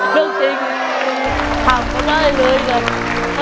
เรื่องจริงทำก็ได้เลยนะ